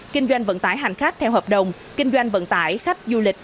kinh doanh vận tải hành khách theo hợp đồng kinh doanh vận tải khách du lịch